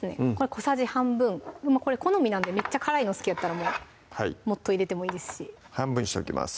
小さじ半分これ好みなんでめっちゃ辛いの好きやったらもうもっと入れてもいいですし半分にしときます